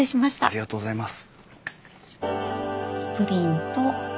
ありがとうございます。